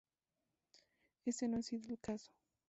Ese no ha sido el caso.